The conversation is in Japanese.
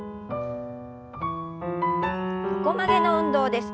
横曲げの運動です。